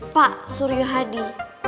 pak surya hadi